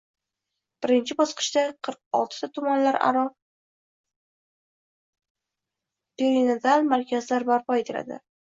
birinchi bosqichda qirq oltita tumanlararoperinatal markazlar barpo etiladi.